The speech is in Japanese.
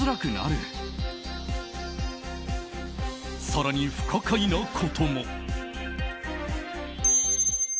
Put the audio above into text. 更に不可解なことも。